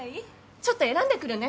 ちょっと選んでくるね。